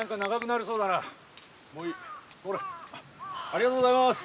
ありがとうございます。